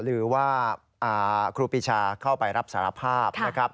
หรือว่าครูปีชาเข้าไปรับสารภาพนะครับ